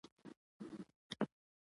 ټولنې ته باید عامه پوهاوی ورکړل سي.